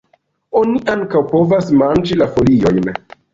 Oni ankaŭ povas manĝi la foliojn.